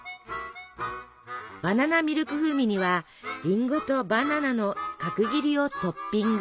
バナナミルク風味にはリンゴとバナナの角切りをトッピング。